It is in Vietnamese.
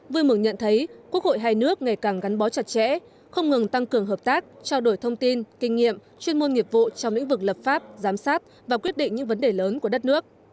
vui mừng nhận thấy quốc hội hai nước ngày càng gắn bó chặt chẽ không ngừng tăng cường hợp tác trao đổi thông tin kinh nghiệm chuyên môn nghiệp vụ trong lĩnh vực lập pháp giám sát và quyết định những vấn đề lớn của đất nước